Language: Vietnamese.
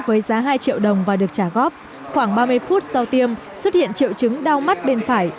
với giá hai triệu đồng và được trả góp khoảng ba mươi phút sau tiêm xuất hiện triệu chứng đau mắt bên phải